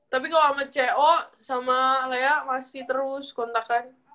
tapi kalau sama ceo sama lea masih terus kontak kan